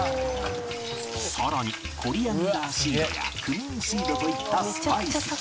さらにコリアンダーシードやクミンシードといったスパイス